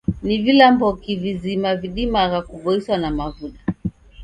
Ni vilamboki vizima vidimagha kuboiswa na mavuda?